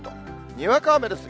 にわか雨です。